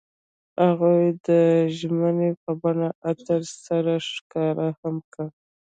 هغوی د ژمنې په بڼه عطر سره ښکاره هم کړه.